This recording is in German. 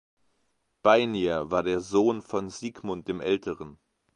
Beinir war der Sohn von Sigmund dem Älteren.